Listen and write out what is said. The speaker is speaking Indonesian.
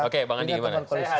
oke bang andi bagaimana